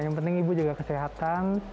yang penting ibu jaga kesehatan